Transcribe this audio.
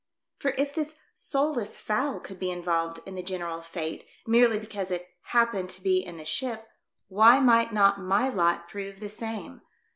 For if this soulless fowl could be involved in the general fate merely because it happened to be in the ship, why might not my lot prove the same